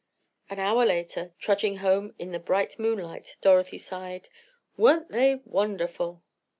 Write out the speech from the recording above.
An hour later, trudging home in the bright moonlight, Dorothy sighed: "Weren't they wonderful!"